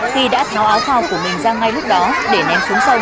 khi đã tháo áo kho của mình ra ngay lúc đó để ném xuống sông